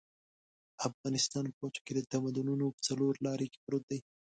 افغانستان په وچه کې د تمدنونو په څلور لاري کې پروت دی.